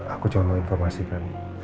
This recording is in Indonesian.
aku cuma mau informasikan